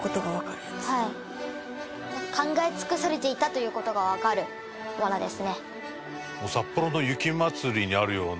考え尽くされていたという事がわかるものですね。